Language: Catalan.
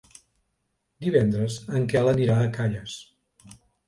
Divendres en Quel anirà a Calles.